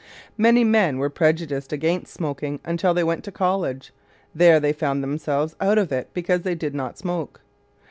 Many men were prejudiced against smoking until they went to college. There they found themselves "out of it" because they did not smoke.